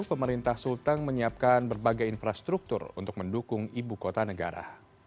pemerintah sulteng menyiapkan berbagai infrastruktur untuk mendukung ibu kota negara